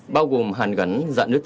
bao gồm hàn gắn dạng nước